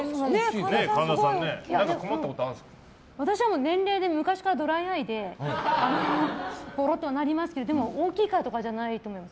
神田さんも私は昔からドライアイでポロッとはなりますけど大きいからとかじゃないと思います。